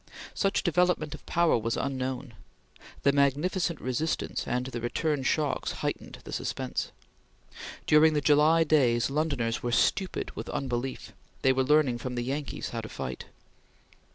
Such development of power was unknown. The magnificent resistance and the return shocks heightened the suspense. During the July days Londoners were stupid with unbelief. They were learning from the Yankees how to fight.